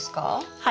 はい。